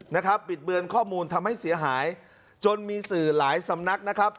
นะครับบิดเบือนข้อมูลทำให้เสียหายจนมีสื่อหลายสำนักนะครับ